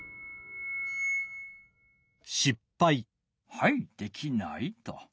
はいできないと。